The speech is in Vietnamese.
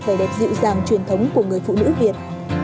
vẻ đẹp dịu dàng truyền thống của người phụ nữ việt